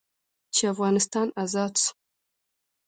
چې افغانستان ازاد سو.